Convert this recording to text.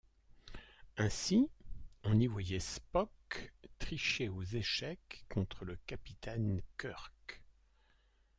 Ainsi on y voyait Spock tricher aux échecs contre le capitaine Kirk.